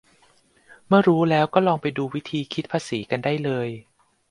เมื่อรูัแล้วก็ลองไปดูวิธีคิดภาษีกันได้เลย